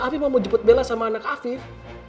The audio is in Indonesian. tapi mau jemput bella sama anak afif